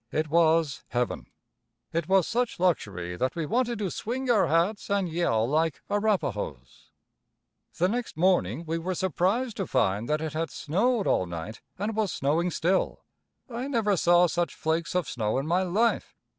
It was heaven. It was such luxury that we wanted to swing our hats and yell like Arapahoes. The next morning we were surprised to find that it had snowed all night and was snowing still. I never saw such flakes of snow in my life.